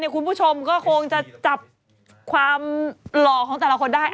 คุณผู้ชมก็คงจะจับความหล่อของแต่ละคนได้